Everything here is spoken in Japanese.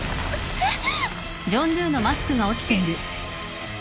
えっ！？